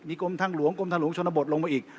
กรมทางหลวงกรมทางหลวงชนบทลงมาอีก